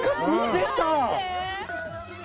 出た！